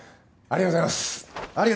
ありがとうございます！